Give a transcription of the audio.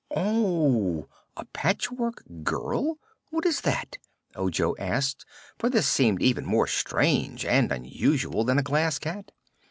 "Oh! A Patchwork Girl? What is that?" Ojo asked, for this seemed even more strange and unusual than a Glass Cat.